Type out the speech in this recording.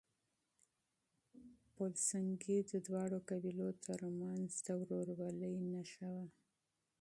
پل سنګي د دواړو قبيلو ترمنځ د ورورۍ نښه وه.